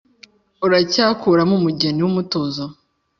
uracyakuramo umugeni wumutuzo,